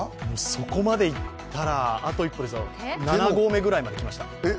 そこまでいったらあと一歩ですよ、７合目くらいまで来ました。